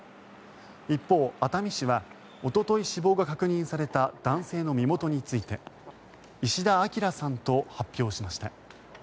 一方、熱海市はおととい死亡が確認された男性の身元について石田明さんと発表しました。